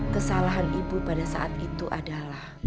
kesalahan ibu pada saat itu adalah